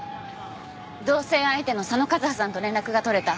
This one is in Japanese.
同棲相手の佐野和葉さんと連絡が取れた。